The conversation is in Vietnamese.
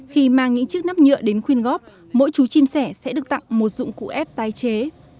khi mang những chiếc nắp nhựa đến khuyên góp mỗi chú chim sẻ sẽ được tặng một dụng cụ ép tái chế